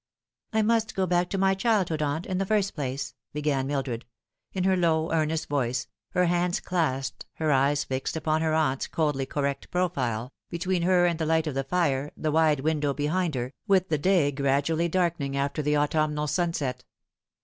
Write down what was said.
" I must go back to my childhood, aunt, in the first place," began Mildred, in her low, earnest voice, her hands clasped, her eyes fixed upon her aunt's coldly correct profile, between her and the light of the fire, the wide window behind her, with the day gradually darkening after the autumnal sunset.